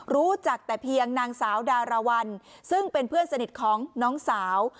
รู้จักแต่เพียงนางสาวดารวรรณซึ่งเป็นเพื่อนสนิทของน้องสาว